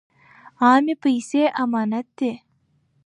عامې پیسې امانت دي.